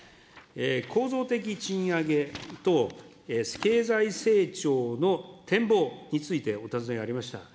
構造的賃上げ等経済成長の展望についてお尋ねがありました。